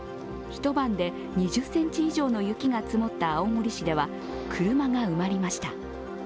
一晩で２０ｃｍ以上の雪が積もった青森市では車が埋まりました。